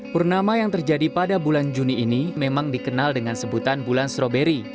purnama yang terjadi pada bulan juni ini memang dikenal dengan sebutan bulan stroberi